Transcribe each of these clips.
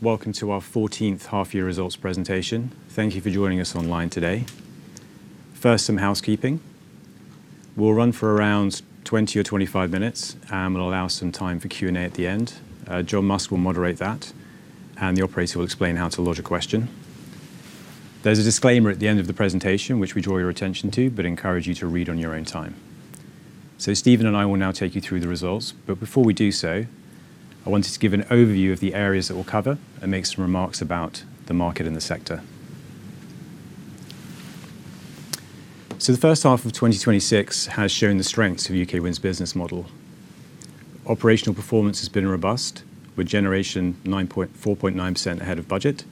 Welcome to our 14th half year results presentation. Thank you for joining us online today. First, some housekeeping. We'll run for around 20 or 25 minutes, and we'll allow some time for Q&A at the end. John Musk will moderate that, and the operator will explain how to lodge a question. There's a disclaimer at the end of the presentation, which we draw your attention to, but encourage you to read on your own time. Steve and I will now take you through the results. Before we do so, I wanted to give an overview of the areas that we'll cover and make some remarks about the market and the sector. The first half of 2026 has shown the strengths of UK Wind's business model. Operational performance has been robust with generation 4.9% ahead of budget.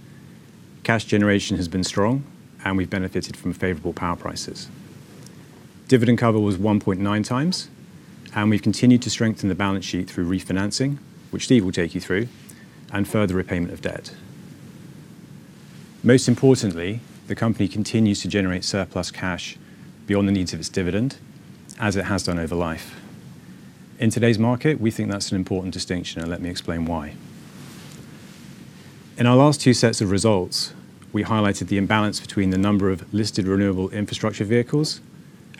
Cash generation has been strong, and we've benefited from favorable power prices. Dividend cover was 1.9x, and we've continued to strengthen the balance sheet through refinancing, which Steve will take you through, and further repayment of debt. Most importantly, the company continues to generate surplus cash beyond the needs of its dividend, as it has done over life. In today's market, we think that's an important distinction, and let me explain why. In our last two sets of results, we highlighted the imbalance between the number of listed renewable infrastructure vehicles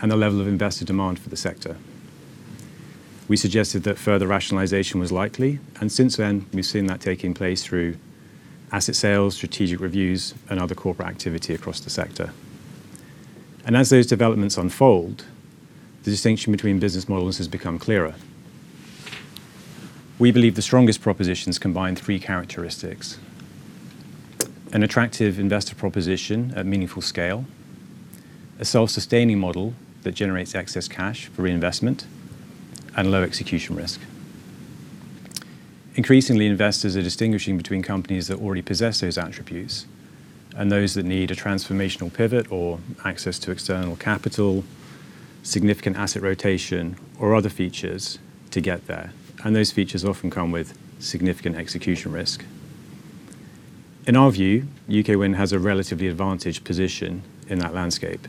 and the level of investor demand for the sector. We suggested that further rationalization was likely, and since then, we've seen that taking place through asset sales, strategic reviews, and other corporate activity across the sector. As those developments unfold, the distinction between business models has become clearer. We believe the strongest propositions combine three characteristics: an attractive investor proposition at meaningful scale, a self-sustaining model that generates excess cash for reinvestment, and low execution risk. Increasingly, investors are distinguishing between companies that already possess those attributes and those that need a transformational pivot or access to external capital, significant asset rotation, or other features to get there. Those features often come with significant execution risk. In our view, UK Wind has a relatively advantaged position in that landscape.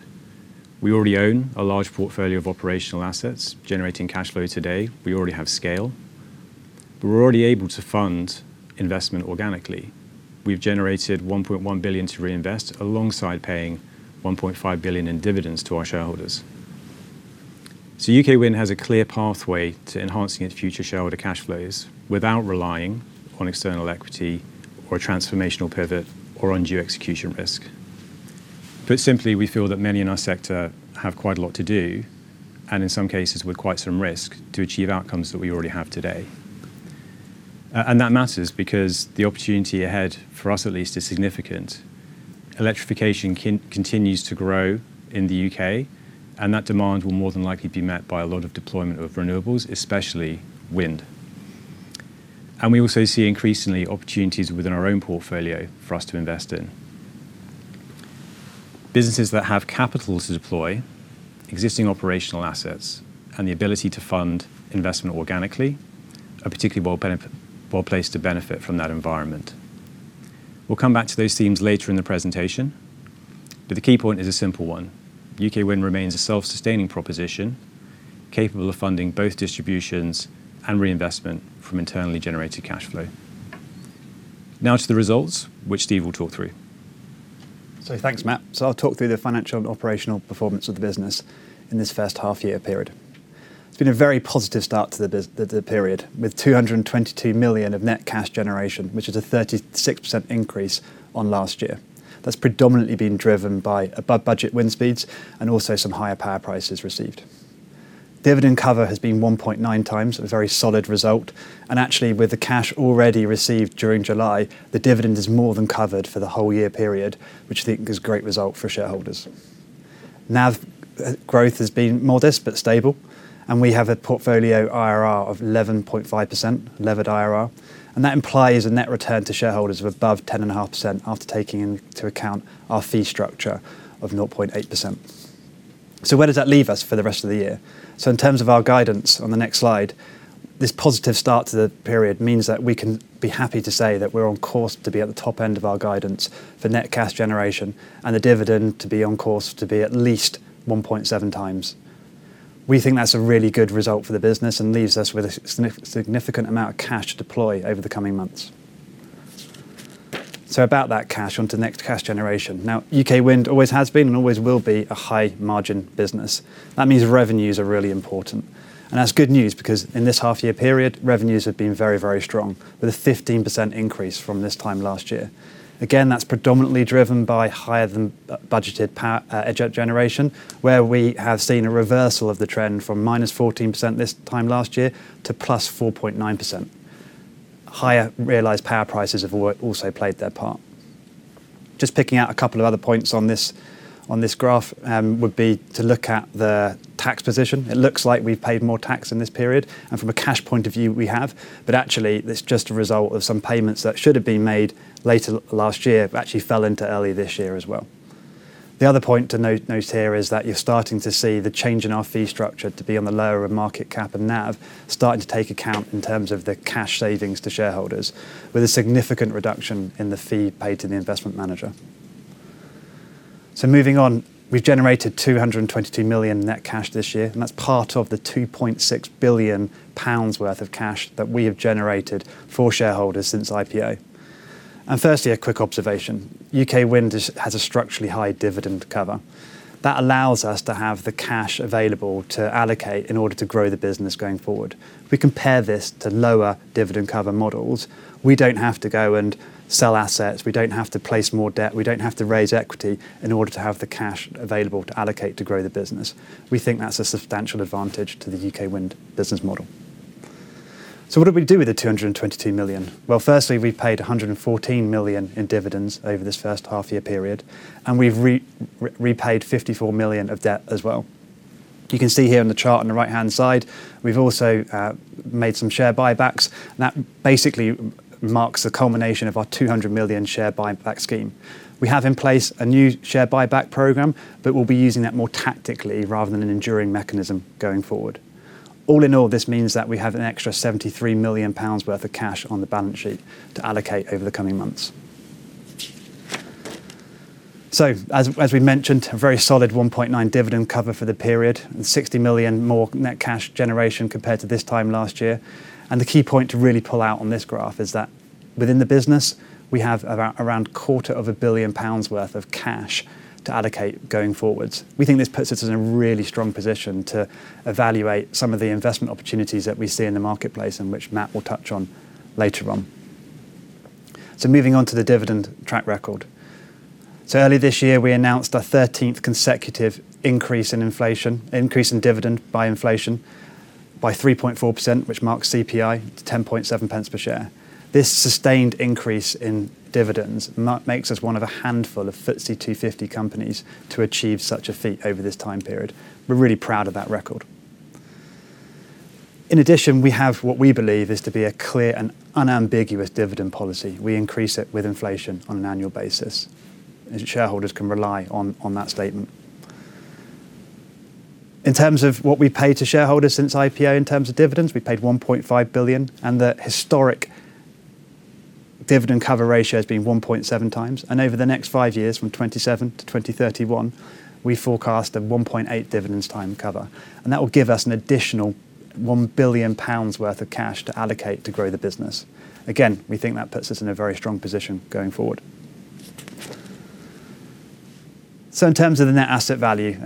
We already own a large portfolio of operational assets generating cash flow today. We already have scale. We already able to fund investment organically. We've generated 1.1 billion to reinvest alongside paying 1.5 billion in dividends to our shareholders. UK Wind has a clear pathway to enhancing its future shareholder cash flows without relying on external equity or a transformational pivot or undue execution risk. Put simply, we feel that many in our sector have quite a lot to do, and in some cases with quite some risk, to achieve outcomes that we already have today. That matters because the opportunity ahead, for us at least, is significant. Electrification continues to grow in the U.K., and that demand will more than likely be met by a lot of deployment of renewables, especially wind. We also see increasingly opportunities within our own portfolio for us to invest in. Businesses that have capital to deploy existing operational assets and the ability to fund investment organically are particularly well-placed to benefit from that environment. We'll come back to those themes later in the presentation, but the key point is a simple one. UK Wind remains a self-sustaining proposition, capable of funding both distributions and reinvestment from internally generated cash flow. To the results, which Steve will talk through. Thanks, Matt. I'll talk through the financial and operational performance of the business in this first half year period. It's been a very positive start to the period, with 222 million of net cash generation, which is a 36% increase on last year. That's predominantly been driven by above-budget wind speeds and also some higher power prices received. Dividend cover has been 1.9x, a very solid result. Actually, with the cash already received during July, the dividend is more than covered for the whole year period, which I think is a great result for shareholders. NAV growth has been modest but stable, and we have a portfolio IRR of 11.5%, levered IRR. That implies a net return to shareholders of above 10.5% after taking into account our fee structure of 0.8%. Where does that leave us for the rest of the year? In terms of our guidance on the next slide, this positive start to the period means that we can be happy to say that we're on course to be at the top end of our guidance for net cash generation and the dividend to be on course to be at least 1.7x. We think that's a really good result for the business and leaves us with a significant amount of cash to deploy over the coming months. About that cash, onto net cash generation. U.K. Wind always has been and always will be a high-margin business. That means revenues are really important. That's good news because in this half year period, revenues have been very, very strong with a 15% increase from this time last year. Again, that's predominantly driven by higher-than-budgeted power generation, where we have seen a reversal of the trend from -14% this time last year to +4.9%. Higher realized power prices have also played their part. Just picking out a couple of other points on this graph would be to look at the tax position. It looks like we've paid more tax in this period, and from a cash point of view, we have. Actually, that's just a result of some payments that should have been made later last year, but actually fell into early this year as well. The other point to note here is that you're starting to see the change in our fee structure to be on the lower of market cap and NAV starting to take account in terms of the cash savings to shareholders with a significant reduction in the fee paid to the investment manager. Moving on, we've generated 222 million net cash this year, and that's part of the 2.6 billion pounds worth of cash that we have generated for shareholders since IPO. Firstly, a quick observation. UK Wind has a structurally high dividend cover. That allows us to have the cash available to allocate in order to grow the business going forward. If we compare this to lower dividend cover models, we don't have to go and sell assets. We don't have to place more debt. We don't have to raise equity in order to have the cash available to allocate to grow the business. We think that's a substantial advantage to the UK Wind business model. What do we do with the 222 million? Firstly, we paid 114 million in dividends over this first half year period, and we've repaid 54 million of debt as well. You can see here on the chart on the right-hand side, we've also made some share buybacks, and that basically marks the culmination of our 200 million share buyback scheme. We have in place a new share buyback program, we'll be using that more tactically rather than an enduring mechanism going forward. All in all, this means that we have an extra 73 million pounds worth of cash on the balance sheet to allocate over the coming months. As we mentioned, a very solid 1.9 dividend cover for the period and 60 million more net cash generation compared to this time last year. The key point to really pull out on this graph is that within the business, we have around quarter of a billion pounds worth of cash to allocate going forwards. We think this puts us in a really strong position to evaluate some of the investment opportunities that we see in the marketplace in which Matt will touch on later on. Moving on to the dividend track record. Early this year, we announced our 13th consecutive increase in dividend by inflation by 3.4%, which marks CPI to 0.107 per share. This sustained increase in dividends makes us one of a handful of FTSE 250 companies to achieve such a feat over this time period. We're really proud of that record. In addition, we have what we believe is to be a clear and unambiguous dividend policy. We increase it with inflation on an annual basis. Shareholders can rely on that statement. In terms of what we pay to shareholders since IPO, in terms of dividends, we paid 1.5 billion, and the historic dividend cover ratio has been 1.7x. Over the next five years, from 2027 to 2031, we forecast a 1.8 dividends time cover, and that will give us an additional 1 billion pounds worth of cash to allocate to grow the business. Again, we think that puts us in a very strong position going forward. In terms of the net asset value,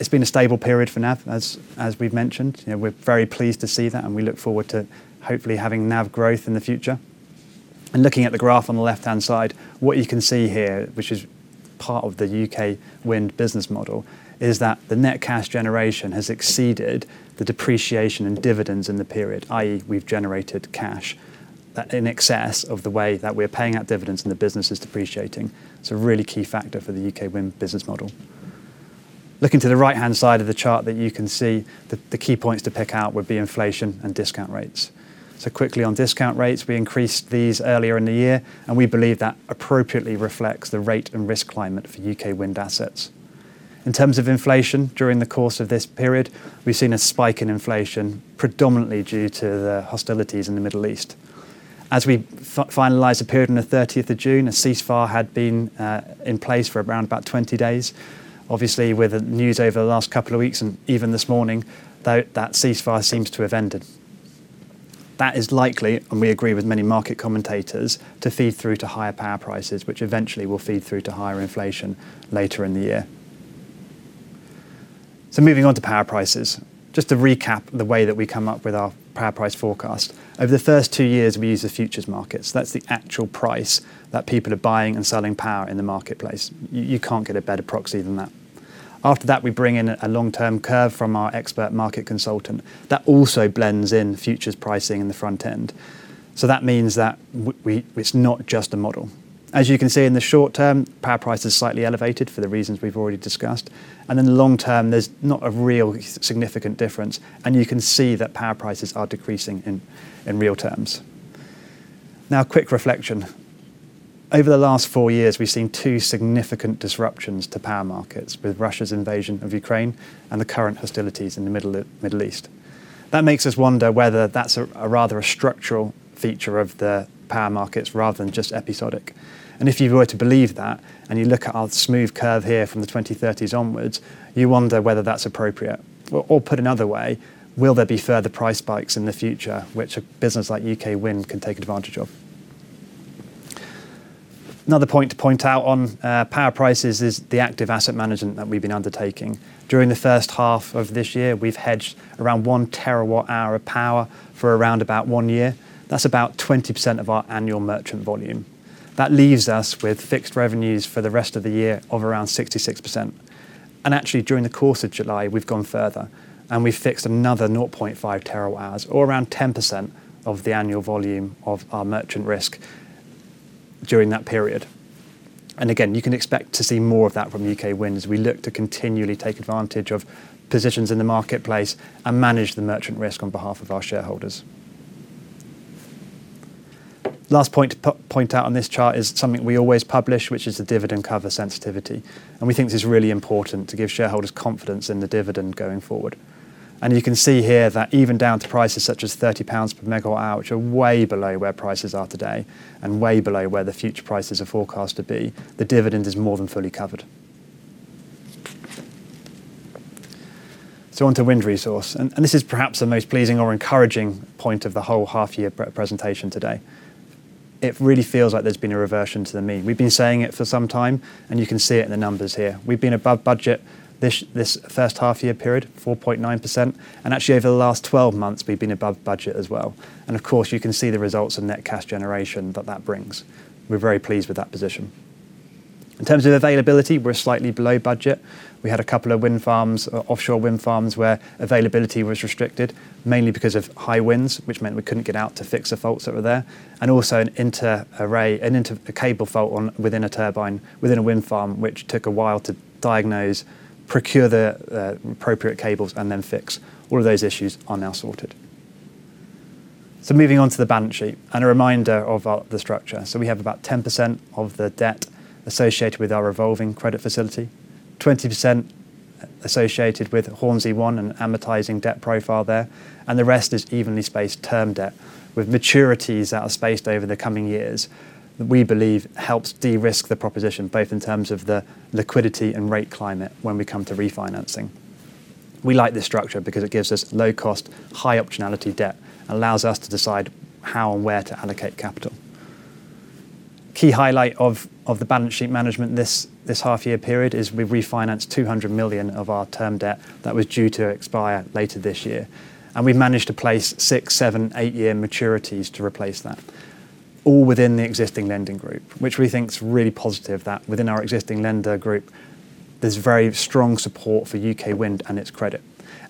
it's been a stable period for NAV, as we've mentioned. We're very pleased to see that, we look forward to hopefully having NAV growth in the future. Looking at the graph on the left-hand side, what you can see here, which is part of the UK Wind business model, is that the net cash generation has exceeded the depreciation in dividends in the period, i.e., we've generated cash in excess of the way that we're paying out dividends and the business is depreciating. It's a really key factor for the UK Wind business model. Looking to the right-hand side of the chart that you can see, the key points to pick out would be inflation and discount rates. Quickly on discount rates, we increased these earlier in the year, and we believe that appropriately reflects the rate and risk climate for UK Wind assets. In terms of inflation, during the course of this period, we've seen a spike in inflation, predominantly due to the hostilities in the Middle East. As we finalized the period on the 30th of June, a ceasefire had been in place for around 20 days. Obviously, with the news over the last couple of weeks and even this morning, that ceasefire seems to have ended. That is likely, and we agree with many market commentators, to feed through to higher power prices, which eventually will feed through to higher inflation later in the year. Moving on to power prices, just to recap the way that we come up with our power price forecast. Over the first two years, we use the futures market. That's the actual price that people are buying and selling power in the marketplace. You can't get a better proxy than that. After that, we bring in a long-term curve from our expert market consultant. That also blends in futures pricing in the front end. That means that it's not just a model. As you can see in the short term, power price is slightly elevated for the reasons we've already discussed. In the long term, there's not a real significant difference, and you can see that power prices are decreasing in real terms. Now, a quick reflection. Over the last four years, we've seen two significant disruptions to power markets with Russia's invasion of Ukraine and the current hostilities in the Middle East. That makes us wonder whether that's a rather structural feature of the power markets rather than just episodic. If you were to believe that, and you look at our smooth curve here from the 2030s onwards, you wonder whether that's appropriate. Or put another way, will there be further price spikes in the future which a business like UK Wind can take advantage of? Another point to point out on power prices is the active asset management that we've been undertaking. During the first half of this year, we've hedged around 1 TWh of power for around about one year. That's about 20% of our annual merchant volume. That leaves us with fixed revenues for the rest of the year of around 66%. Actually, during the course of July, we've gone further, and we've fixed another 0.5 TWh or around 10% of the annual volume of our merchant risk during that period. Again, you can expect to see more of that from UK Wind as we look to continually take advantage of positions in the marketplace and manage the merchant risk on behalf of our shareholders. Last point to point out on this chart is something we always publish, which is the dividend cover sensitivity. We think this is really important to give shareholders confidence in the dividend going forward. You can see here that even down to prices such as 30 pounds per MWh, which are way below where prices are today, and way below where the future prices are forecast to be, the dividend is more than fully covered. Onto wind resource, this is perhaps the most pleasing or encouraging point of the whole half year presentation today. It really feels like there has been a reversion to the mean. We've been saying it for some time, and you can see it in the numbers here. We've been above budget this first half year period, 4.9%. Actually over the last 12 months, we've been above budget as well. Of course, you can see the results of net cash generation that that brings. We are very pleased with that position. In terms of availability, we are slightly below budget. We had a couple of offshore wind farms where availability was restricted, mainly because of high winds, which meant we couldn't get out to fix the faults that were there, and also an inter-cable fault within a turbine, within a wind farm, which took a while to diagnose, procure the appropriate cables, and then fix. All of those issues are now sorted. Moving on to the balance sheet, a reminder of the structure. We have about 10% of the debt associated with our revolving credit facility, 20% associated with Hornsea One and amortizing debt profile there, and the rest is evenly spaced term debt with maturities that are spaced over the coming years. We believe helps de-risk the proposition both in terms of the liquidity and rate climate when we come to refinancing. We like this structure because it gives us low cost, high optionality debt, and allows us to decide how and where to allocate capital. Key highlight of the balance sheet management this half year period is we've refinanced 200 million of our term debt that was due to expire later this year. We've managed to place six, seven, eight-year maturities to replace that, all within the existing lending group, which we think is really positive that within our existing lender group, there is very strong support for UK Wind and its credit.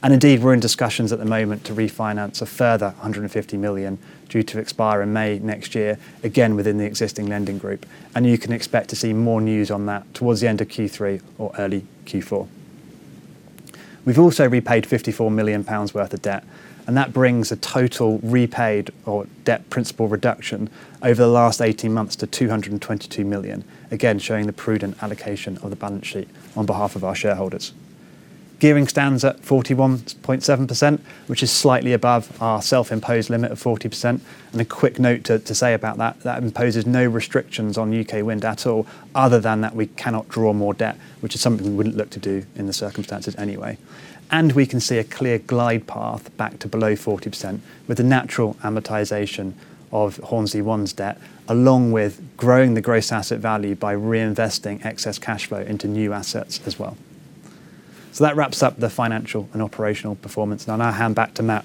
Indeed, we are in discussions at the moment to refinance a further 150 million due to expire in May next year, again within the existing lending group. You can expect to see more news on that towards the end of Q3 or early Q4. We've also repaid 54 million pounds worth of debt. That brings a total repaid or debt principal reduction over the last 18 months to 222 million, again, showing the prudent allocation of the balance sheet on behalf of our shareholders. Gearing stands at 41.7%, which is slightly above our self-imposed limit of 40%. A quick note to say about that imposes no restrictions on UK Wind at all, other than that we cannot draw more debt, which is something we wouldn't look to do in the circumstances anyway. We can see a clear glide path back to below 40% with the natural amortization of Hornsea One's debt, along with growing the gross asset value by reinvesting excess cash flow into new assets as well. That wraps up the financial and operational performance. I'll now hand back to Matt,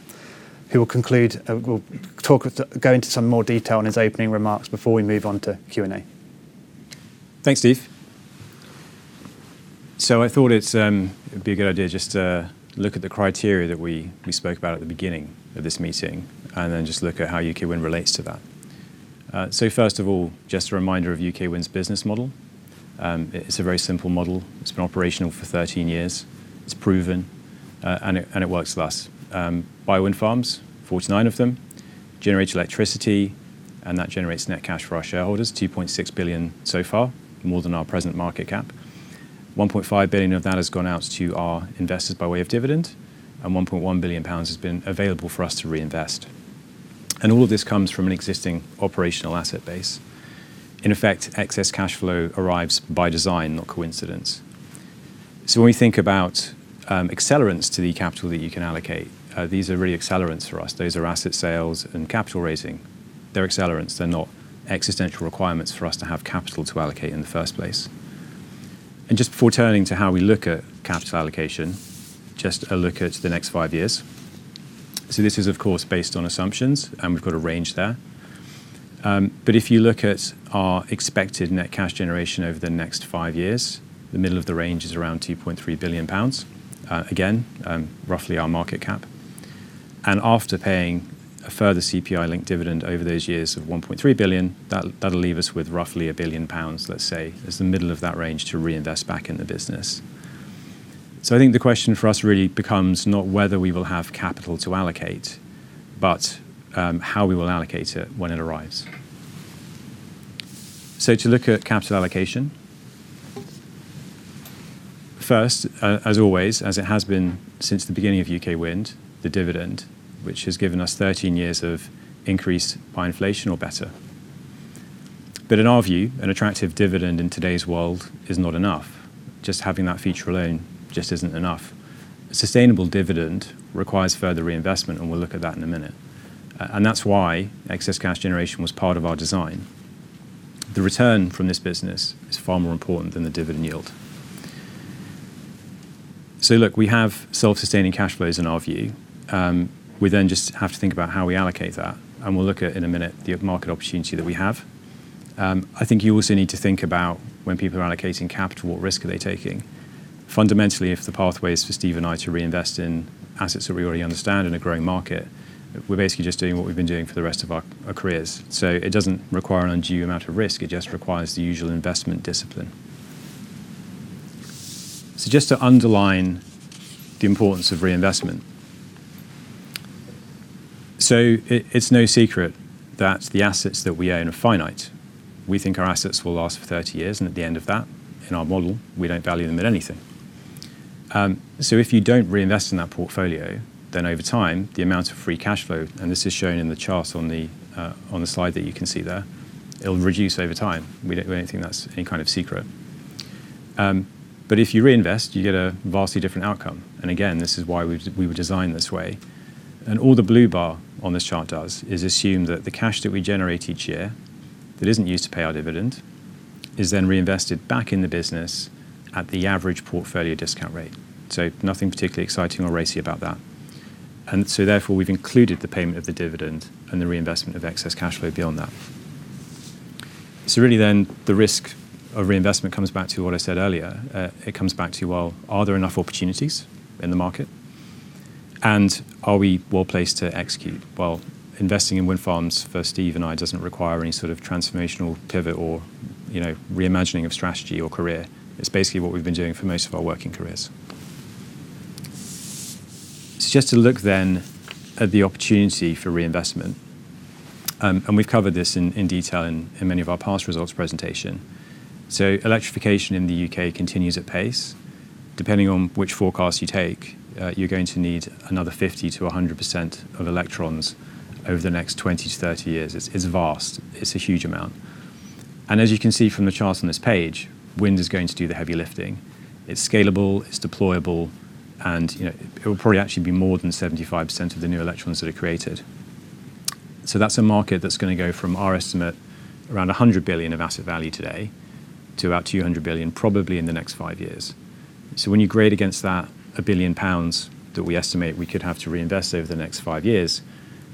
who will go into some more detail in his opening remarks before we move on to Q&A. Thanks, Steve. I thought it'd be a good idea just to look at the criteria that we spoke about at the beginning of this meeting, then just look at how UK Wind relates to that. First of all, just a reminder of UK Wind's business model. It's a very simple model. It's been operational for 13 years. It's proven, and it works for us. Buy wind farms, 49 of them, generate electricity, and that generates net cash for our shareholders, 2.6 billion so far, more than our present market cap. 1.5 billion of that has gone out to our investors by way of dividend, and 1.1 billion pounds has been available for us to reinvest. All of this comes from an existing operational asset base. In effect, excess cash flow arrives by design, not coincidence. When we think about accelerants to the capital that you can allocate, these are really accelerants for us. Those are asset sales and capital raising. They're accelerants. They're not existential requirements for us to have capital to allocate in the first place. Just before turning to how we look at capital allocation, just a look at the next five years. This is, of course, based on assumptions, and we've got a range there. If you look at our expected net cash generation over the next five years, the middle of the range is around 2.3 billion pounds. Again, roughly our market cap. After paying a further CPI-linked dividend over those years of 1.3 billion, that'll leave us with roughly 1 billion pounds, let's say, as the middle of that range to reinvest back in the business. I think the question for us really becomes not whether we will have capital to allocate, but how we will allocate it when it arrives. To look at capital allocation. First, as always, as it has been since the beginning of UK Wind, the dividend, which has given us 13 years of increase by inflation or better. In our view, an attractive dividend in today's world is not enough. Just having that feature alone just isn't enough. A sustainable dividend requires further reinvestment, and we'll look at that in a minute. That's why excess cash generation was part of our design. The return from this business is far more important than the dividend yield. Look, we have self-sustaining cash flows in our view. We just have to think about how we allocate that, and we'll look at, in a minute, the market opportunity that we have. I think you also need to think about when people are allocating capital, what risk are they taking? Fundamentally, if the pathway is for Steve and I to reinvest in assets that we already understand in a growing market, we're basically just doing what we've been doing for the rest of our careers. It doesn't require an undue amount of risk. It just requires the usual investment discipline. Just to underline the importance of reinvestment. It's no secret that the assets that we own are finite. We think our assets will last for 30 years, and at the end of that, in our model, we don't value them at anything. If you don't reinvest in that portfolio, then over time, the amount of free cash flow, and this is shown in the chart on the slide that you can see there, it'll reduce over time. We don't think that's any kind of secret. If you reinvest, you get a vastly different outcome. Again, this is why we were designed this way. All the blue bar on this chart does is assume that the cash that we generate each year that isn't used to pay our dividend is then reinvested back in the business at the average portfolio discount rate. Nothing particularly exciting or racy about that. We've included the payment of the dividend and the reinvestment of excess cash flow beyond that. The risk of reinvestment comes back to what I said earlier. It comes back to, are there enough opportunities in the market? Are we well-placed to execute? Investing in wind farms for Steve and I doesn't require any sort of transformational pivot or reimagining of strategy or career. It's basically what we've been doing for most of our working careers. Just to look at the opportunity for reinvestment, and we've covered this in detail in many of our past results presentation. Electrification in the U.K. continues at pace. Depending on which forecast you take, you're going to need another 50%-100% of electrons over the next 20 to 30 years. It's vast. It's a huge amount. As you can see from the charts on this page, wind is going to do the heavy lifting. It's scalable, it's deployable, it will probably actually be more than 75% of the new electrons that are created. That's a market that's going to go from our estimate, around 100 billion of asset value today to about 200 billion probably in the next five years. When you grade against that, a 1 billion pounds that we estimate we could have to reinvest over the next five years,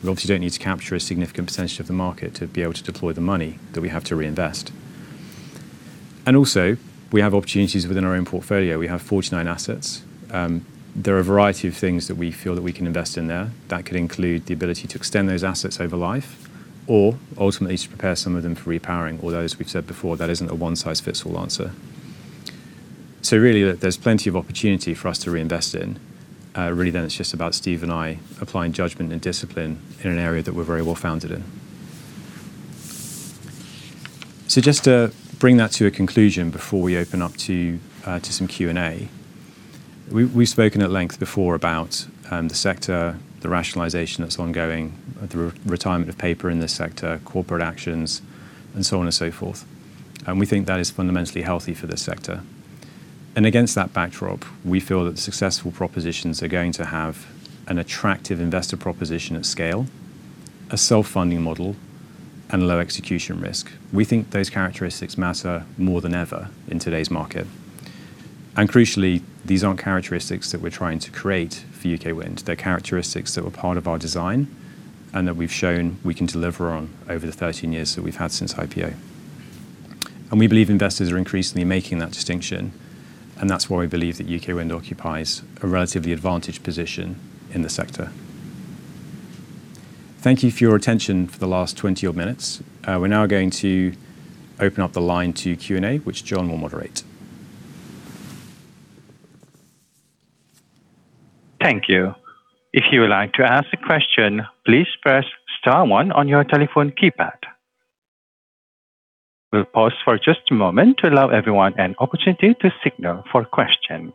we obviously don't need to capture a significant percentage of the market to be able to deploy the money that we have to reinvest. We have opportunities within our own portfolio. We have 49 assets. There are a variety of things that we feel that we can invest in there that could include the ability to extend those assets over life or ultimately to prepare some of them for repowering, although, as we've said before, that isn't a one-size-fits-all answer. Really, there's plenty of opportunity for us to reinvest in. Then it's just about Steve and I applying judgment and discipline in an area that we're very well founded in. Just to bring that to a conclusion before we open up to some Q&A. We've spoken at length before about the sector, the rationalization that's ongoing, the retirement of paper in this sector, corporate actions, and so on and so forth. We think that is fundamentally healthy for this sector. Against that backdrop, we feel that successful propositions are going to have an attractive investor proposition at scale, a self-funding model, and low execution risk. We think those characteristics matter more than ever in today's market. Crucially, these aren't characteristics that we're trying to create for UK Wind. They're characteristics that were part of our design and that we've shown we can deliver on over the 13 years that we've had since IPO. We believe investors are increasingly making that distinction, and that's why we believe that UK Wind occupies a relatively advantaged position in the sector. Thank you for your attention for the last 20 odd minutes. We're now going to open up the line to Q&A, which John will moderate. Thank you. If you would like to ask a question, please press star one on your telephone keypad. We'll pause for just a moment to allow everyone an opportunity to signal for a question.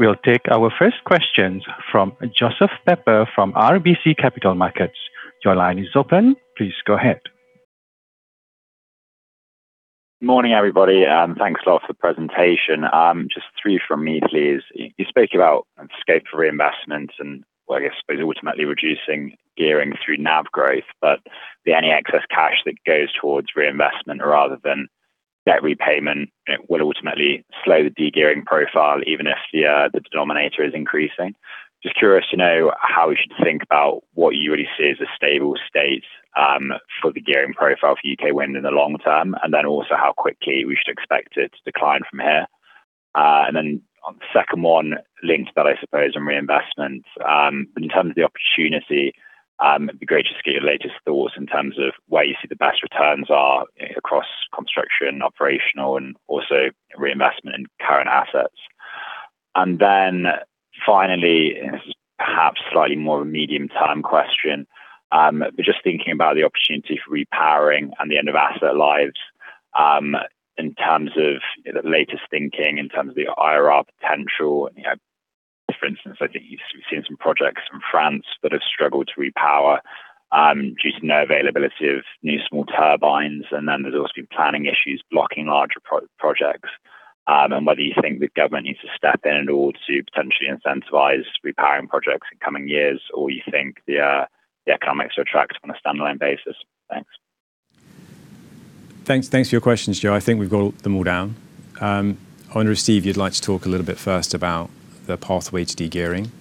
We'll take our first questions from Joseph Pepper from RBC Capital Markets. Your line is open. Please go ahead. Morning, everybody. Thanks a lot for the presentation. Just three from me, please. You spoke about escape for reinvestment and well, I suppose ultimately reducing gearing through NAV growth, but the any excess cash that goes towards reinvestment rather than debt repayment, it will ultimately slow the de-gearing profile, even if the denominator is increasing. Just curious to know how we should think about what you really see as a stable state for the gearing profile for UK Wind in the long term, and then also how quickly we should expect it to decline from here. Then on the second one linked to that, I suppose, on reinvestment. But in terms of the opportunity, it'd be great to just get your latest thoughts in terms of where you see the best returns are across construction, operational, and also reinvestment in current assets. Finally, perhaps slightly more of a medium-term question, but just thinking about the opportunity for repowering and the end of asset lives, in terms of the latest thinking, in terms of the IRR potential. For instance, I think you've seen some projects from France that have struggled to repower due to no availability of new small turbines, then there's also been planning issues blocking larger projects. Whether you think the government needs to step in at all to potentially incentivize repowering projects in coming years, or you think the economics are tracked on a standalone basis. Thanks. Thanks for your questions, Joe. I think we've got them all down. I wonder, Steve, you'd like to talk a little bit first about the pathway to de-gearing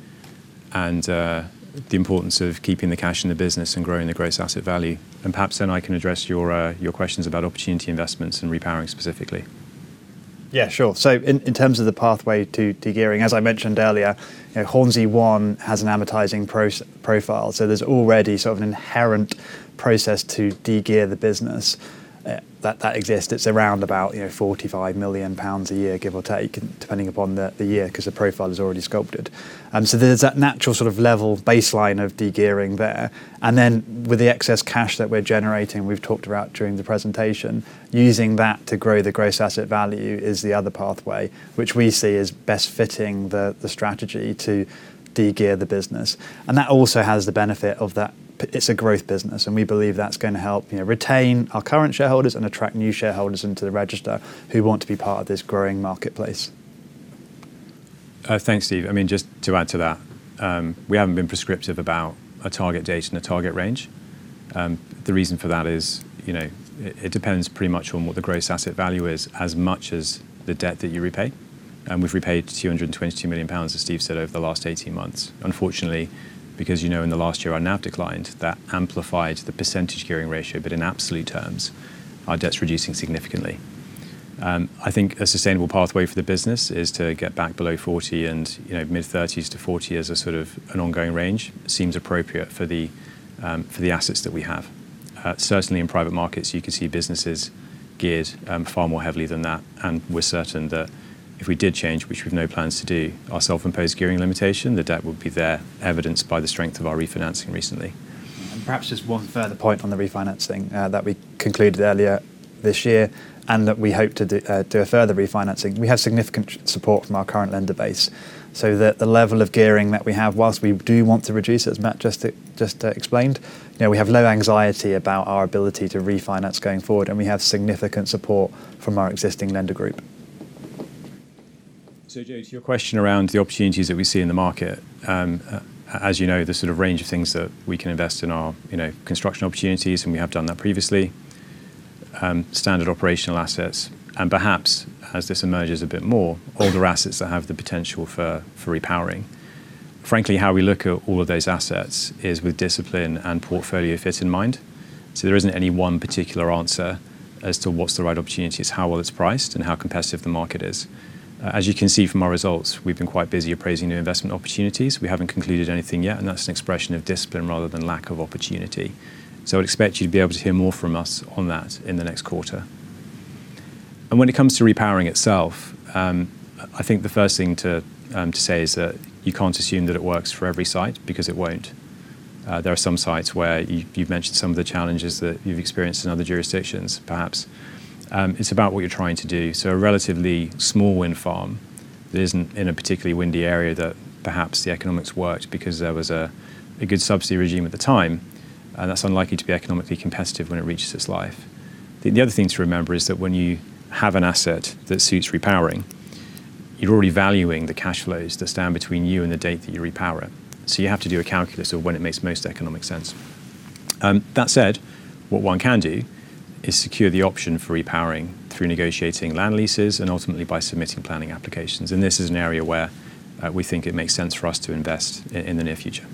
and the importance of keeping the cash in the business and growing the gross asset value. Perhaps then I can address your questions about opportunity investments and repowering specifically. Sure. In terms of the pathway to de-gearing, as I mentioned earlier, Hornsea One has an amortizing profile. There's already sort of an inherent process to de-gear the business that exists. It's around about 45 million pounds a year, give or take, depending upon the year, because the profile is already sculpted. There's that natural sort of level baseline of de-gearing there. With the excess cash that we're generating, we've talked about during the presentation, using that to grow the gross asset value is the other pathway, which we see as best fitting the strategy to de-gear the business. That also has the benefit of that it's a growth business, and we believe that's going to help retain our current shareholders and attract new shareholders into the register who want to be part of this growing marketplace. Thanks, Steve. Just to add to that, we haven't been prescriptive about a target date and a target range. The reason for that is it depends pretty much on what the gross asset value is, as much as the debt that you repay. We've repaid 222 million pounds, as Steve said, over the last 18 months. Unfortunately, because in the last year our NAV declined, that amplified the % gearing ratio. In absolute terms, our debt's reducing significantly. I think a sustainable pathway for the business is to get back below 40% and mid-30s-40% as sort of an ongoing range seems appropriate for the assets that we have. Certainly in private markets, you can see businesses geared far more heavily than that. We're certain that if we did change, which we've no plans to do, our self-imposed gearing limitation, the debt would be there, evidenced by the strength of our refinancing recently. Perhaps just one further point on the refinancing that we concluded earlier this year, and that we hope to do a further refinancing. We have significant support from our current lender base. The level of gearing that we have, whilst we do want to reduce it, as Matt just explained, we have low anxiety about our ability to refinance going forward. We have significant support from our existing lender group. Joe, to your question around the opportunities that we see in the market. As you know, the sort of range of things that we can invest in are construction opportunities. We have done that previously. Standard operational assets, and perhaps, as this emerges a bit more, older assets that have the potential for repowering. Frankly, how we look at all of those assets is with discipline and portfolio fit in mind. There isn't any one particular answer as to what's the right opportunities, how well it's priced, and how competitive the market is. As you can see from our results, we've been quite busy appraising new investment opportunities. We haven't concluded anything yet. That's an expression of discipline rather than lack of opportunity. I'd expect you'd be able to hear more from us on that in the next quarter. When it comes to repowering itself, I think the first thing to say is that you can't assume that it works for every site, because it won't. There are some sites where you've mentioned some of the challenges that you've experienced in other jurisdictions, perhaps. It's about what you're trying to do. A relatively small wind farm that isn't in a particularly windy area, that perhaps the economics worked because there was a good subsidy regime at the time, and that's unlikely to be economically competitive when it reaches its life. The other thing to remember is that when you have an asset that suits repowering, you're already valuing the cash flows that stand between you and the date that you repower it. You have to do a calculus of when it makes most economic sense. That said, what one can do is secure the option for repowering through negotiating land leases and ultimately by submitting planning applications. This is an area where we think it makes sense for us to invest in the near future.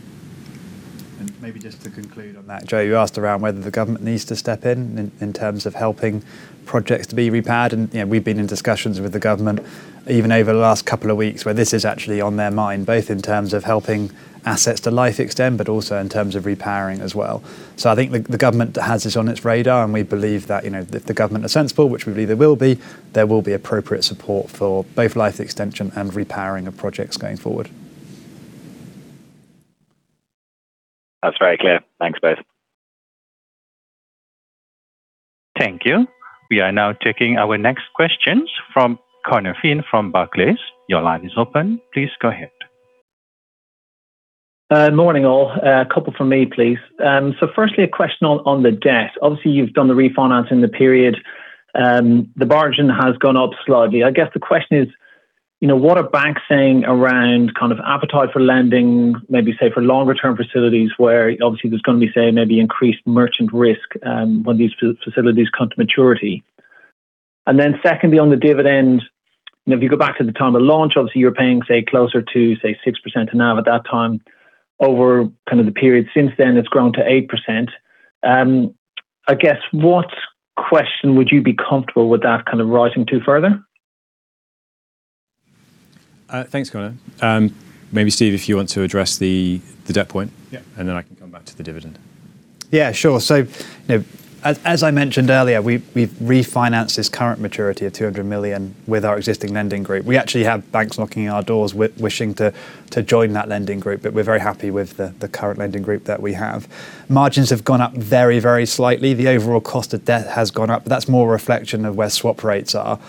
Maybe just to conclude on that, Joe, you asked around whether the government needs to step in in terms of helping projects to be repowered. We've been in discussions with the government even over the last couple of weeks, where this is actually on their mind, both in terms of helping assets to life extend, but also in terms of repowering as well. I think the government has this on its radar, and we believe that if the government are sensible, which we believe they will be, there will be appropriate support for both life extension and repowering of projects going forward. That's very clear. Thanks, both. Thank you. We are now taking our next questions from Conor Finn from Barclays. Your line is open. Please go ahead. Morning, all. A couple from me, please. Firstly, a question on the debt. Obviously, you've done the refinancing the period. The margin has gone up slightly. I guess the question is, what are banks saying around kind of appetite for lending, maybe say for longer-term facilities, where obviously there's going to be, say, maybe increased merchant risk when these facilities come to maturity? Secondly, on the dividend, if you go back to the time of launch, obviously you were paying, say, closer to, say, 6% to NAV at that time. Over kind of the period since then, it's grown to 8%. I guess what question would you be comfortable with that kind of rising to further? Thanks, Conor. Maybe Steve, if you want to address the debt point. Yeah. I can come back to the dividend. Yeah, sure. As I mentioned earlier, we've refinanced this current maturity of 200 million with our existing lending group. We actually have banks knocking on our doors wishing to join that lending group, but we're very happy with the current lending group that we have. Margins have gone up very, very slightly. The overall cost of debt has gone up, but that's more a reflection of where swap rates are,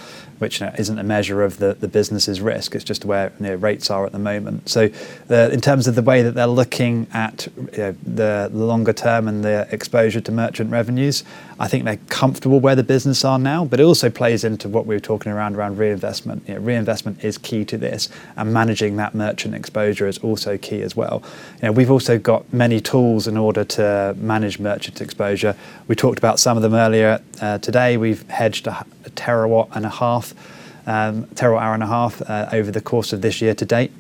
which isn't a measure of the business's risk. It's just where rates are at the moment. In terms of the way that they're looking at the longer term and their exposure to merchant revenues, I think they're comfortable where the business are now. It also plays into what we were talking around reinvestment. Reinvestment is key to this, and managing that merchant exposure is also key as well. We've also got many tools in order to manage merchant exposure. We talked about some of them earlier today. We've hedged a terawatt hour and a half over the course of this year-to-date,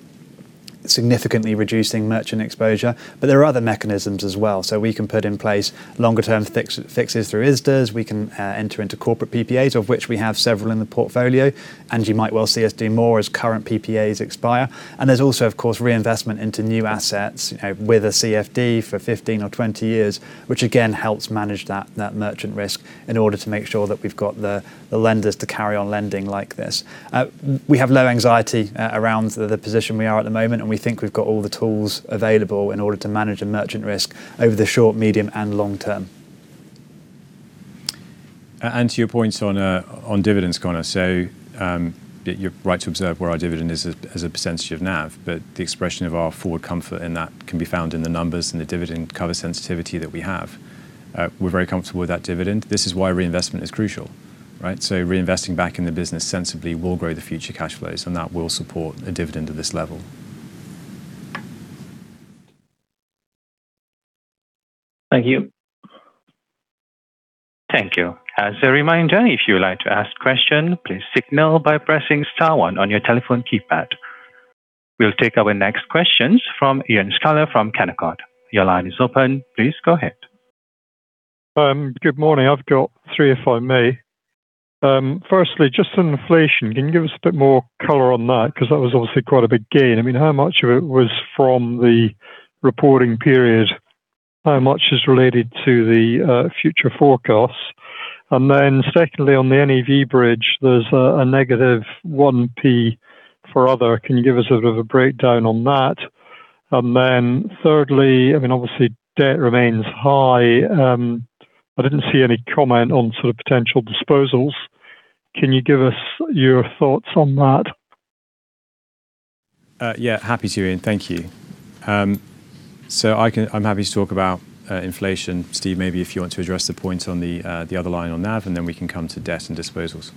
significantly reducing merchant exposure. There are other mechanisms as well. We can put in place longer-term fixes through ISDA. We can enter into corporate PPAs, of which we have several in the portfolio. You might well see us do more as current PPAs expire. There's also, of course, reinvestment into new assets with a CFD for 15 or 20 years, which again helps manage that merchant risk in order to make sure that we've got the lenders to carry on lending like this. We have low anxiety around the position we are at the moment. We think we've got all the tools available in order to manage a merchant risk over the short, medium, and long term. To your points on dividends, Conor. You're right to observe where our dividend is as a percentage of NAV, the expression of our forward comfort in that can be found in the numbers and the dividend cover sensitivity that we have. We're very comfortable with that dividend. This is why reinvestment is crucial, right? Reinvesting back in the business sensibly will grow the future cash flows that will support a dividend at this level. Thank you. Thank you. As a reminder, if you would like to ask question, please signal by pressing star one on your telephone keypad. We'll take our next questions from Iain Scouller from Canaccord. Your line is open. Please go ahead. Good morning. I've got three, if I may. Firstly, just on inflation, can you give us a bit more color on that? Because that was obviously quite a big gain. I mean, how much of it was from the reporting period, how much is related to the future forecasts? Secondly, on the NAV bridge, there's a negative 0.01 for other. Can you give us a bit of a breakdown on that? Thirdly, I mean, obviously, debt remains high. I didn't see any comment on potential disposals. Can you give us your thoughts on that? Yeah. Happy to, Iain. Thank you. I'm happy to talk about inflation. Steve, maybe if you want to address the point on the other line on NAV, we can come to debt and disposals.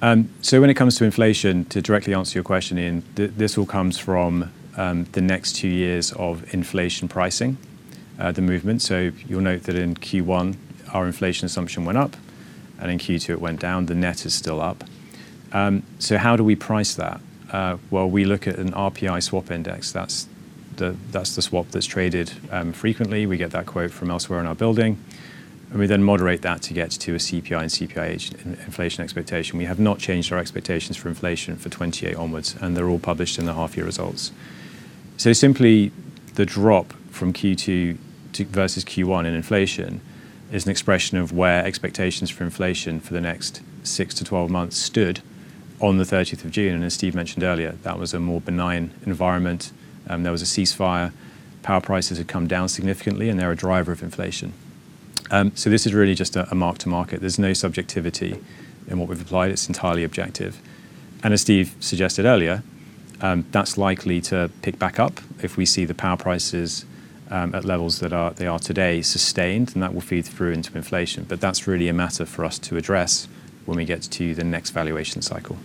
When it comes to inflation, to directly answer your question, Iain, this all comes from the next two years of inflation pricing, the movement. You'll note that in Q1, our inflation assumption went up, and in Q2 it went down. The net is still up. How do we price that? Well, we look at an RPI swap index. That's the swap that's traded frequently. We get that quote from elsewhere in our building, and we then moderate that to get to a CPI and CPIH inflation expectation. We have not changed our expectations for inflation for 2028 onwards, and they're all published in the half-year results. Simply, the drop from Q2 versus Q1 in inflation is an expression of where expectations for inflation for the next six to 12 months stood on the 30th of June. As Steve mentioned earlier, that was a more benign environment. There was a ceasefire. Power prices had come down significantly, and they're a driver of inflation. This is really just a mark to market. There's no subjectivity in what we've applied. It's entirely objective. As Steve suggested earlier, that's likely to pick back up if we see the power prices at levels that they are today sustained, and that will feed through into inflation. That's really a matter for us to address when we get to the next valuation cycle.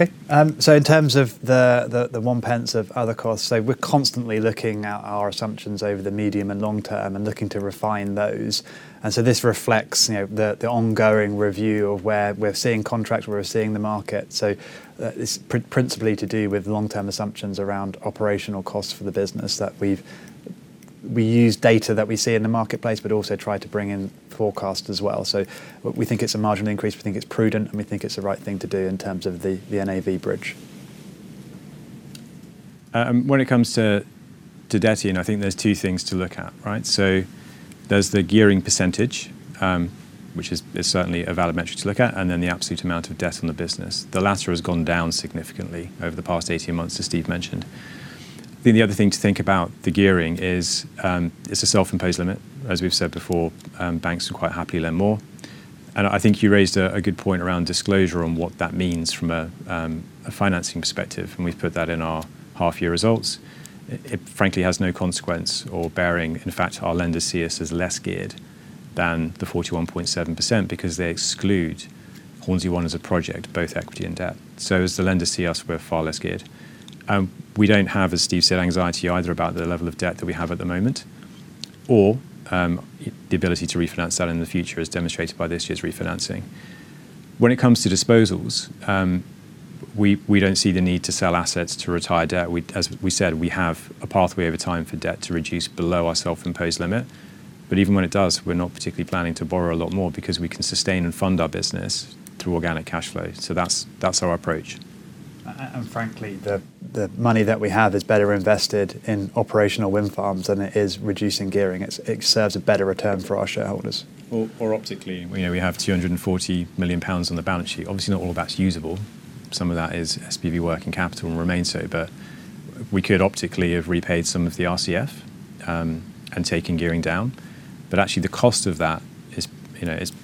In terms of the 0.01 of other costs, we're constantly looking at our assumptions over the medium and long term and looking to refine those. This reflects the ongoing review of where we're seeing contracts, where we're seeing the market. It's principally to do with long-term assumptions around operational costs for the business that we use data that we see in the marketplace, but also try to bring in forecast as well. We think it's a marginal increase. We think it's prudent, and we think it's the right thing to do in terms of the NAV bridge. When it comes to debt, Iain, I think there's two things to look at, right? There's the gearing percentage, which is certainly a valid metric to look at, and then the absolute amount of debt on the business. The latter has gone down significantly over the past 18 months, as Steve mentioned. I think the other thing to think about the gearing is, it's a self-imposed limit. As we've said before, banks are quite happy to lend more. I think you raised a good point around disclosure on what that means from a financing perspective, and we've put that in our half-year results. It frankly has no consequence or bearing. In fact, our lenders see us as less geared than the 41.7% because they exclude Hornsea One as a project, both equity and debt. As the lenders see us, we're far less geared. We don't have, as Steve said, anxiety either about the level of debt that we have at the moment or the ability to refinance that in the future, as demonstrated by this year's refinancing. When it comes to disposals, we don't see the need to sell assets to retire debt. As we said, we have a pathway over time for debt to reduce below our self-imposed limit. Even when it does, we're not particularly planning to borrow a lot more because we can sustain and fund our business through organic cash flow. That's our approach. Frankly, the money that we have is better invested in operational wind farms than it is reducing gearing. It serves a better return for our shareholders. Optically, we have 240 million pounds on the balance sheet. Obviously, not all of that's usable. Some of that is SPV working capital and remains so. We could optically have repaid some of the RCF and taken gearing down. Actually, the cost of that is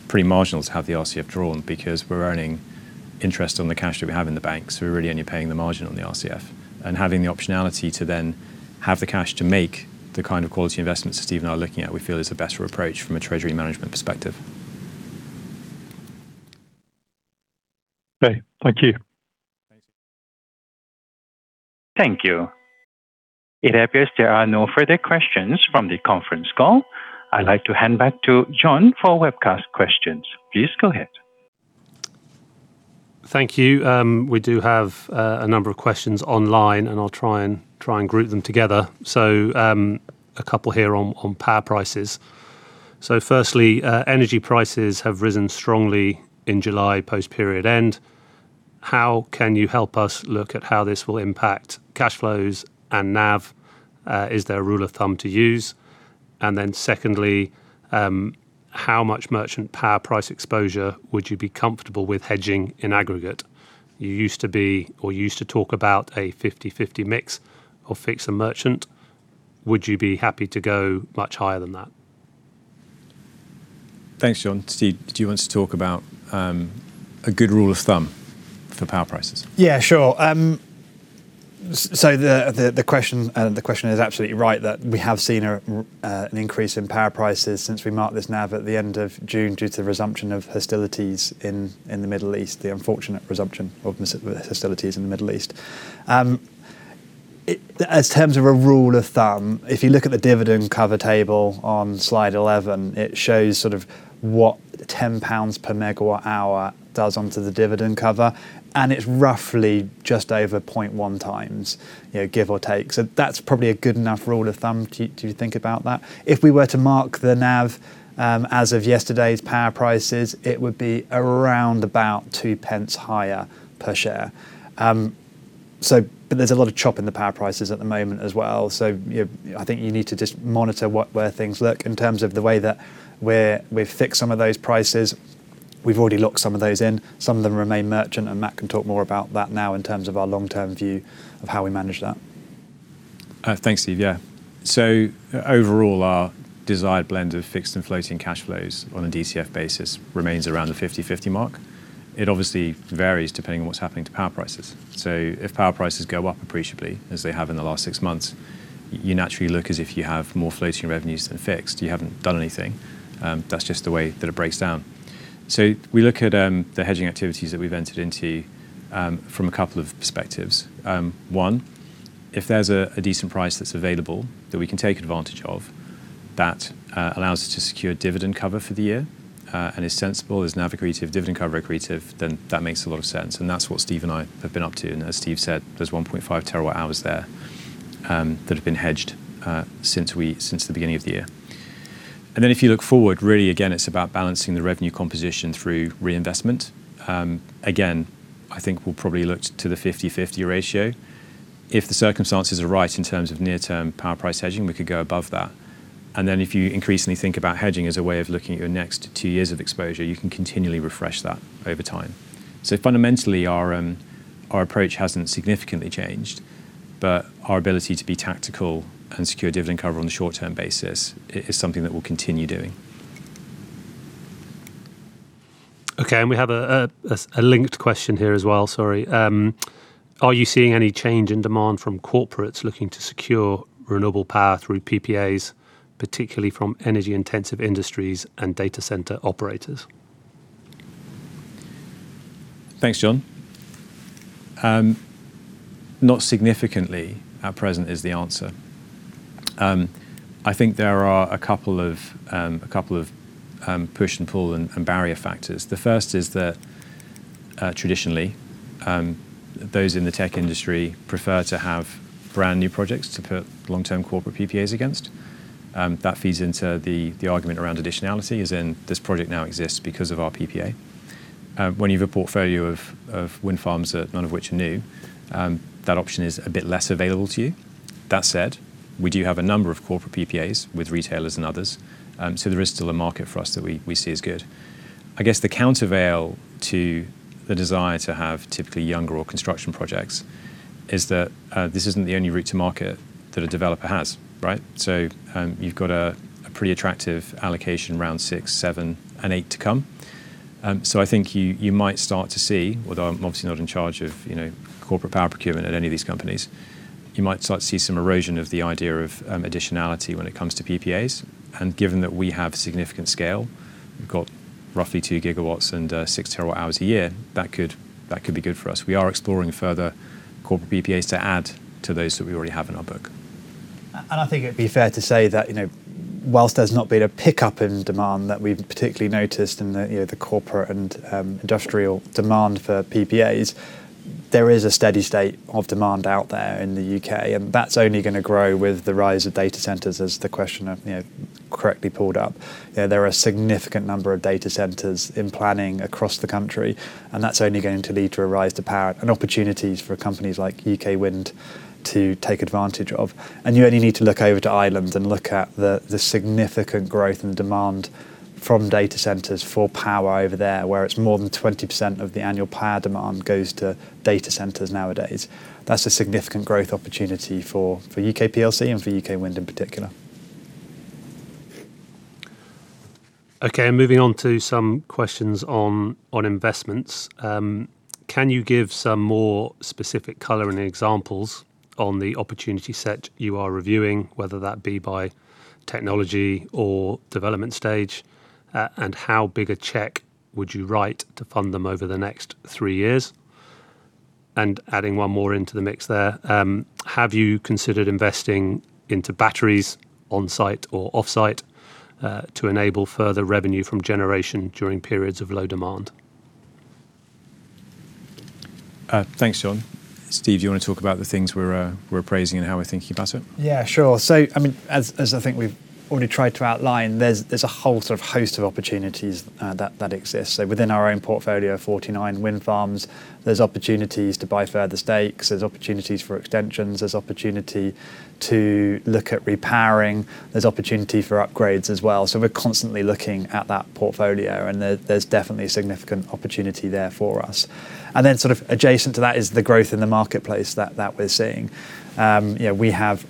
pretty marginal to have the RCF drawn because we're earning interest on the cash that we have in the bank. We're really only paying the margin on the RCF. Having the optionality to then have the cash to make the kind of quality investments that Steve and I are looking at, we feel is a better approach from a treasury management perspective. Okay. Thank you. Thanks, Iain. Thank you. It appears there are no further questions from the conference call. I'd like to hand back to John for webcast questions. Please go ahead. Thank you. We do have a number of questions online, and I will try and group them together. A couple here on power prices. Firstly, energy prices have risen strongly in July post period end. How can you help us look at how this will impact cash flows and NAV? Is there a rule of thumb to use? Secondly, how much merchant power price exposure would you be comfortable with hedging in aggregate? You used to be, or you used to talk about a 50/50 mix of fixed and merchant. Would you be happy to go much higher than that? Thanks, John. Steve, do you want to talk about a good rule of thumb for power prices? Yeah, sure. The question is absolutely right, that we have seen an increase in power prices since we marked this NAV at the end of June due to the resumption of hostilities in the Middle East, the unfortunate resumption of hostilities in the Middle East. In terms of a rule of thumb, if you look at the dividend cover table on slide 11, it shows sort of what 10 pounds per MWh does onto the dividend cover, and it's roughly just over 0.1x, give or take. That's probably a good enough rule of thumb to think about that. If we were to mark the NAV as of yesterday's power prices, it would be around about 0.02 higher per share. There's a lot of chop in the power prices at the moment as well. I think you need to just monitor where things look in terms of the way that we've fixed some of those prices. We've already locked some of those in. Some of them remain merchant, and Matt can talk more about that now in terms of our long-term view of how we manage that. Thanks, Steve. Overall, our desired blend of fixed and floating cash flows on a DCF basis remains around the 50/50 mark. It obviously varies depending on what's happening to power prices. If power prices go up appreciably, as they have in the last six months, you naturally look as if you have more floating revenues than fixed. You haven't done anything. That's just the way that it breaks down. We look at the hedging activities that we've entered into from a couple of perspectives. One, if there's a decent price that's available that we can take advantage of, that allows us to secure dividend cover for the year and is sensible, is NAV accretive, dividend cover accretive, then that makes a lot of sense, and that's what Steve and I have been up to. As Steve said, there's 1.5 TWh there that have been hedged since the beginning of the year. If you look forward, really, again, it's about balancing the revenue composition through reinvestment. Again, I think we'll probably look to the 50/50 ratio. If the circumstances are right in terms of near-term power price hedging, we could go above that. If you increasingly think about hedging as a way of looking at your next two years of exposure, you can continually refresh that over time. Fundamentally, our approach hasn't significantly changed. Our ability to be tactical and secure dividend cover on a short-term basis is something that we'll continue doing. We have a linked question here as well. Sorry. Are you seeing any change in demand from corporates looking to secure renewable power through PPAs, particularly from energy-intensive industries and data center operators? Thanks, John. Not significantly at present is the answer. I think there are a couple of push and pull and barrier factors. The first is that traditionally, those in the tech industry prefer to have brand-new projects to put long-term corporate PPAs against. That feeds into the argument around additionality, as in this project now exists because of our PPA. When you have a portfolio of wind farms, none of which are new, that option is a bit less available to you. That said, we do have a number of corporate PPAs with retailers and others. There is still a market for us that we see as good. I guess the countervail to the desire to have typically younger or construction projects is that this isn't the only route to market that a developer has, right? You've got a pretty attractive Allocation Round six, seven, and eight to come. I think you might start to see, although I'm obviously not in charge of corporate power procurement at any of these companies, you might start to see some erosion of the idea of additionality when it comes to PPAs. Given that we have significant scale, we've got roughly 2 GW and 6 TWh a year, that could be good for us. We are exploring further corporate PPAs to add to those that we already have in our book. I think it'd be fair to say that whilst there's not been a pickup in demand that we've particularly noticed in the corporate and industrial demand for PPAs, there is a steady state of demand out there in the U.K., that's only going to grow with the rise of data centers as the question correctly pulled up. There are a significant number of data centers in planning across the country, that's only going to lead to a rise to power and opportunities for companies like UK Wind to take advantage of. You only need to look over to Ireland and look at the significant growth and demand from data centers for power over there, where it's more than 20% of the annual power demand goes to data centers nowadays. That's a significant growth opportunity for UK PLC and for UK Wind in particular. Okay, moving on to some questions on investments. Can you give some more specific color and examples on the opportunity set you are reviewing, whether that be by technology or development stage? How big a check would you write to fund them over the next three years? Adding one more into the mix there, have you considered investing into batteries on-site or off-site, to enable further revenue from generation during periods of low demand? Thanks, John. Steve, do you want to talk about the things we're appraising and how we're thinking about it? Yeah, sure. As I think we've already tried to outline, there's a whole sort of host of opportunities that exist. Within our own portfolio of 49 wind farms, there's opportunities to buy further stakes, there's opportunities for extensions, there's opportunity to look at repowering, there's opportunity for upgrades as well. We're constantly looking at that portfolio, and there's definitely a significant opportunity there for us. Sort of adjacent to that is the growth in the marketplace that we're seeing. We have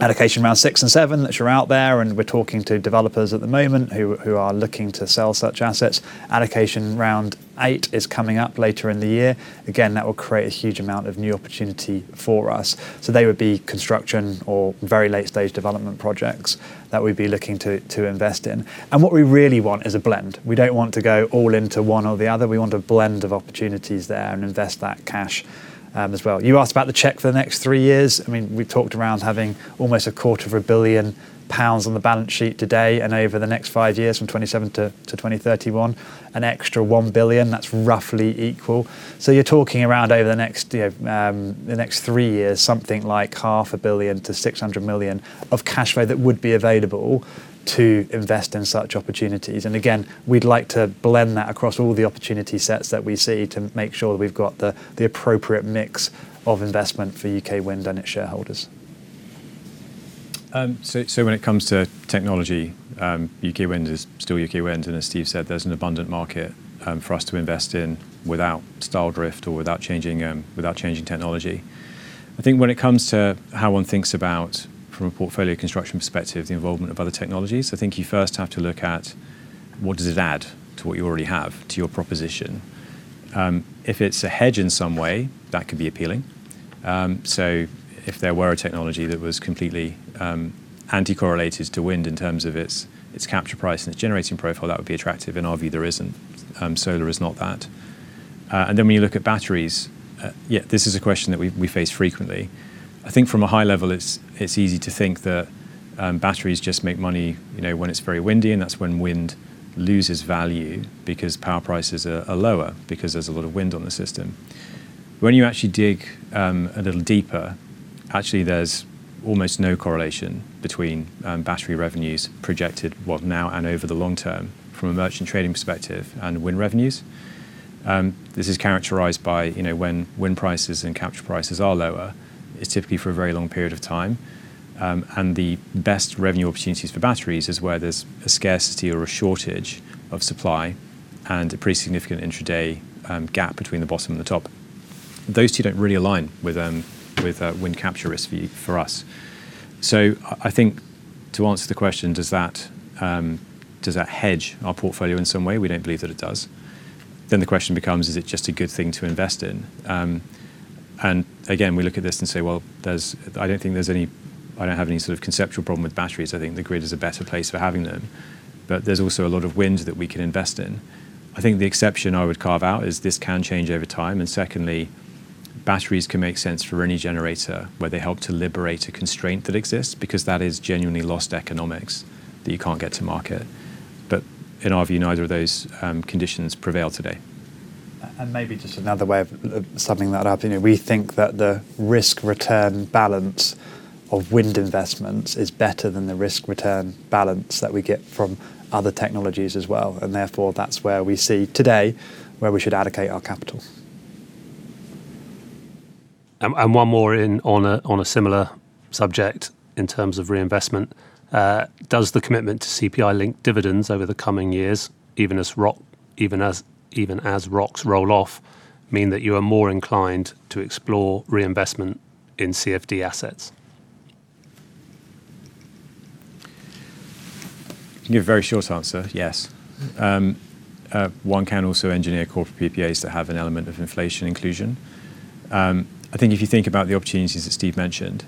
Allocation Round 6 and 7 that are out there, and we're talking to developers at the moment who are looking to sell such assets. Allocation Round 8 is coming up later in the year. Again, that will create a huge amount of new opportunity for us. They would be construction or very late-stage development projects that we'd be looking to invest in. What we really want is a blend. We don't want to go all into one or the other. We want a blend of opportunities there and invest that cash as well. You asked about the check for the next three years. We've talked around having almost a quarter of a billion pounds on the balance sheet today, and over the next five years, from 2027 to 2031, an extra 1 billion. That's roughly equal. You're talking around over the next three years, something like half a billion to 600 million of cash flow that would be available to invest in such opportunities. Again, we'd like to blend that across all the opportunity sets that we see to make sure that we've got the appropriate mix of investment for UK Wind and its shareholders. When it comes to technology, UK Wind is still UK Wind. As Steve said, there's an abundant market for us to invest in without style drift or without changing technology. I think when it comes to how one thinks about, from a portfolio construction perspective, the involvement of other technologies, I think you first have to look at what does it add to what you already have, to your proposition. If it's a hedge in some way, that could be appealing. If there were a technology that was completely anti-correlated to wind in terms of its capture price and its generating profile, that would be attractive. In our view, there isn't. Solar is not that. When you look at batteries, this is a question that we face frequently. I think from a high level, it's easy to think that batteries just make money when it's very windy, and that's when wind loses value because power prices are lower, because there's a lot of wind on the system. When you actually dig a little deeper, actually, there's almost no correlation between battery revenues projected both now and over the long term from a merchant trading perspective and wind revenues. This is characterized by when wind prices and capture prices are lower, it's typically for a very long period of time. The best revenue opportunities for batteries is where there's a scarcity or a shortage of supply and a pretty significant intraday gap between the bottom and the top. Those two don't really align with wind capture risk for us. I think to answer the question, does that hedge our portfolio in some way? We don't believe that it does. The question becomes, is it just a good thing to invest in? Again, we look at this and say, well, I don't have any sort of conceptual problem with batteries. I think the grid is a better place for having them. There's also a lot of wind that we can invest in. I think the exception I would carve out is this can change over time. Secondly, batteries can make sense for any generator where they help to liberate a constraint that exists, because that is genuinely lost economics that you can't get to market. In our view, neither of those conditions prevail today. Maybe just another way of summing that up, we think that the risk-return balance of wind investments is better than the risk-return balance that we get from other technologies as well. Therefore, that's where we see today where we should allocate our capital. One more on a similar subject in terms of reinvestment. Does the commitment to CPI-linked dividends over the coming years, even as ROCs roll off, mean that you are more inclined to explore reinvestment in CFD assets? To give a very short answer, yes. One can also engineer core PPAs that have an element of inflation inclusion. I think if you think about the opportunities that Steve mentioned,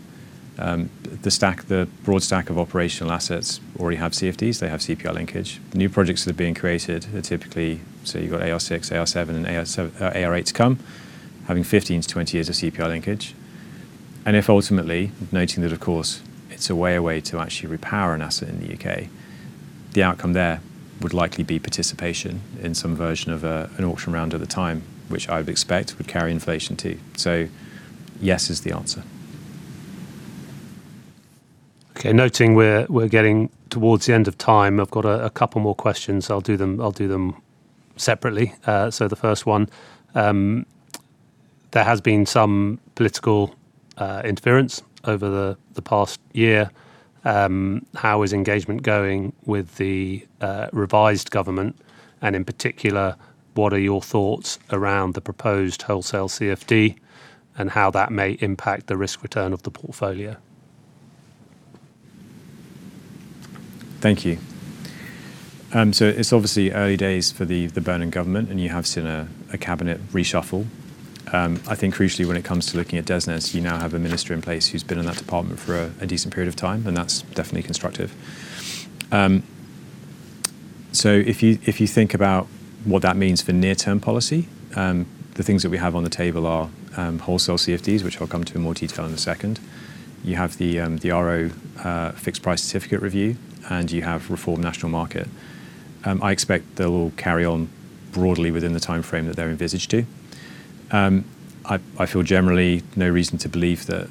the broad stack of operational assets already have CFDs, they have CPI linkage. The new projects that are being created are typically, you've got AR6, AR7, and AR8 to come, having 15 to 20 years of CPI linkage. If ultimately, noting that, of course, it's a way to actually repower an asset in the U.K., the outcome there would likely be participation in some version of an auction round at the time, which I would expect would carry inflation too. Yes is the answer. Okay. Noting we're getting towards the end of time. I've got a couple more questions. I'll do them separately. The first one, there has been some political interference over the past year. How is engagement going with the revised government? In particular, what are your thoughts around the proposed Wholesale CFD and how that may impact the risk-return of the portfolio? Thank you. It's obviously early days for the Burnham government, and you have seen a cabinet reshuffle. I think crucially, when it comes to looking at DESNZ, you now have a minister in place who's been in that department for a decent period of time, and that's definitely constructive. If you think about what that means for near-term policy, the things that we have on the table are Wholesale CFDs, which I'll come to in more detail in a second. You have the RO fixed price certificate review, and you have Reformed National Market. I expect they'll carry on broadly within the timeframe that they're envisaged to. I feel generally no reason to believe that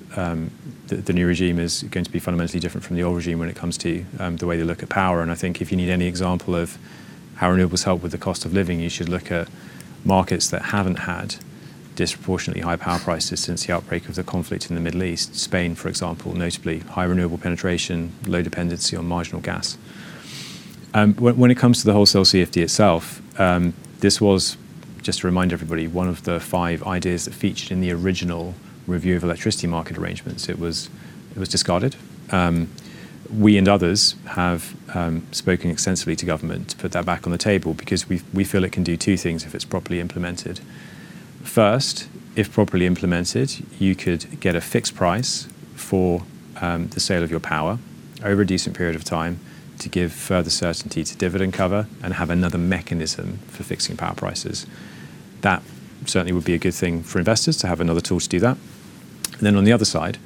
the new regime is going to be fundamentally different from the old regime when it comes to the way they look at power. I think if you need any example of how renewables help with the cost of living, you should look at markets that haven't had disproportionately high power prices since the outbreak of the conflict in the Middle East. Spain, for example, notably high renewable penetration, low dependency on marginal gas. When it comes to the Wholesale CFD itself, this was, just to remind everybody, one of the five ideas that featured in the original Review of Electricity Market Arrangements. It was discarded. We and others have spoken extensively to government to put that back on the table because we feel it can do two things if it's properly implemented. First, if properly implemented, you could get a fixed price for the sale of your power over a decent period of time to give further certainty to dividend cover and have another mechanism for fixing power prices. That certainly would be a good thing for investors to have another tool to do that. On the other side,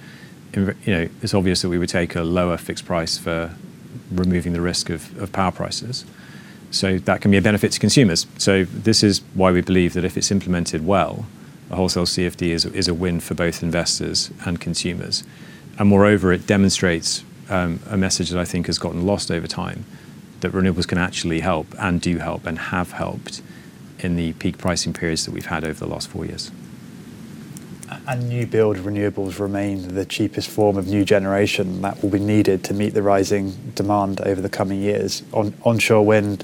it's obvious that we would take a lower fixed price for removing the risk of power prices. That can be a benefit to consumers. This is why we believe that if it's implemented well, a Wholesale CFD is a win for both investors and consumers. Moreover, it demonstrates a message that I think has gotten lost over time, that renewables can actually help and do help and have helped in the peak pricing periods that we've had over the last four years. New build renewables remain the cheapest form of new generation that will be needed to meet the rising demand over the coming years. Onshore wind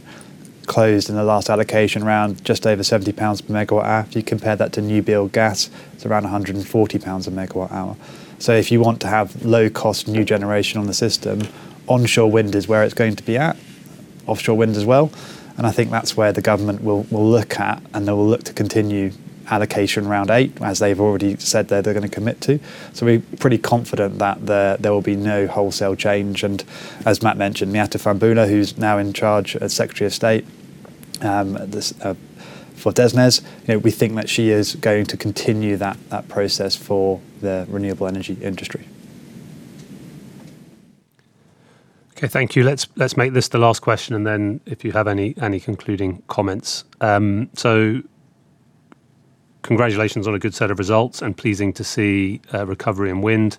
closed in the last Allocation Round, just over 70 pounds per MWh. If you compare that to new build gas, it's around 140 pounds a MWh. If you want to have low cost new generation on the system, onshore wind is where it's going to be at. Offshore wind as well. I think that's where the government will look at, and they will look to continue Allocation Round 8, as they've already said that they're going to commit to. We're pretty confident that there will be no wholesale change. As Matt mentioned, Miatta Fahnbulleh, who's now in charge as Secretary of State for DESNZ. We think that she is going to continue that process for the renewable energy industry. Okay, thank you. Let's make this the last question, and then if you have any concluding comments. Congratulations on a good set of results and pleasing to see a recovery in wind.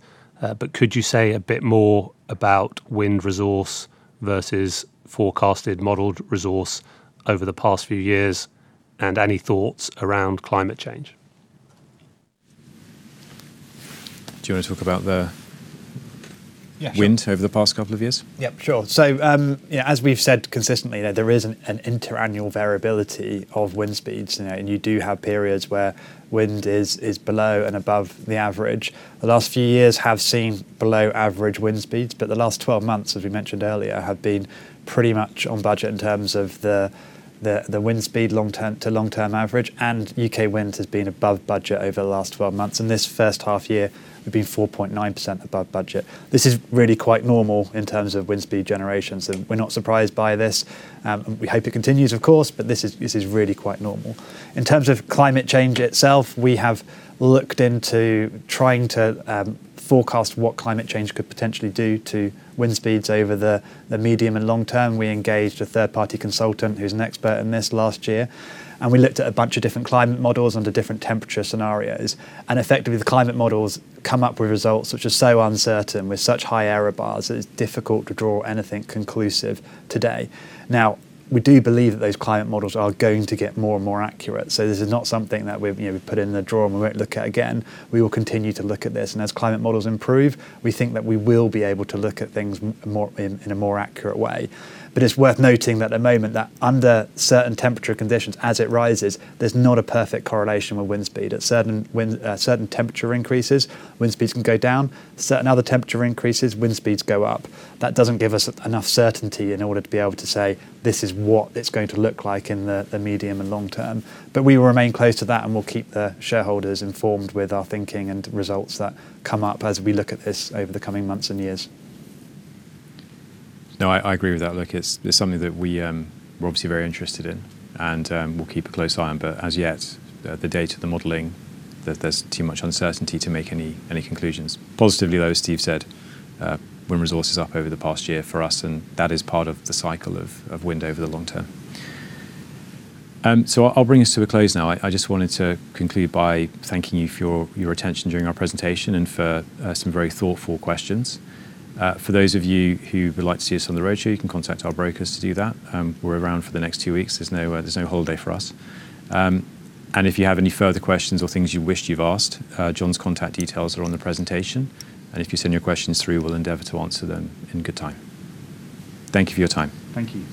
Could you say a bit more about wind resource versus forecasted modeled resource over the past few years and any thoughts around climate change? Do you want to talk about the wind? Yeah, sure Over the past couple of years? Yep, sure. As we've said consistently, there is an inter-annual variability of wind speeds, and you do have periods where wind is below and above the average. The last few years have seen below average wind speeds, but the last 12 months, as we mentioned earlier, have been pretty much on budget in terms of the wind speed to long-term average, and UK Wind has been above budget over the last 12 months. In this first half year, we've been 4.9% above budget. This is really quite normal in terms of wind speed generations. We're not surprised by this. We hope it continues, of course, but this is really quite normal. In terms of climate change itself, we have looked into trying to forecast what climate change could potentially do to wind speeds over the medium and long term. We engaged a third-party consultant who's an expert in this last year, and we looked at a bunch of different climate models under different temperature scenarios. Effectively, the climate models come up with results which are so uncertain with such high error bars, it's difficult to draw anything conclusive today. We do believe that those climate models are going to get more and more accurate. This is not something that we've put in the drawer, and we won't look at again. We will continue to look at this. As climate models improve, we think that we will be able to look at things in a more accurate way. It's worth noting that at the moment that under certain temperature conditions, as it rises, there's not a perfect correlation with wind speed. At certain temperature increases, wind speeds can go down. Certain other temperature increases, wind speeds go up. That doesn't give us enough certainty in order to be able to say, this is what it's going to look like in the medium and long term. We will remain close to that, and we'll keep the shareholders informed with our thinking and results that come up as we look at this over the coming months and years. No, I agree with that. Look, it's something that we're obviously very interested in, and we'll keep a close eye on. As yet, the data, the modeling, there's too much uncertainty to make any conclusions. Positively, though, as Steve said, wind resource is up over the past year for us, and that is part of the cycle of wind over the long term. I'll bring us to a close now. I just wanted to conclude by thanking you for your attention during our presentation and for some very thoughtful questions. For those of you who would like to see us on the roadshow, you can contact our brokers to do that. We're around for the next two weeks. There's no holiday for us. If you have any further questions or things you wish you've asked, John's contact details are on the presentation. If you send your questions through, we'll endeavor to answer them in good time. Thank you for your time. Thank you